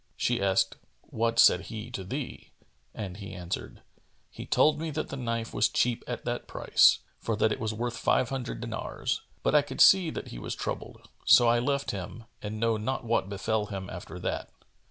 She asked, "What said he to thee?"; and he answered, "He told me that the knife was cheap at that price, for that it was worth five hundred dinars: but I could see that he was troubled; so I left him and know not what befel him after that."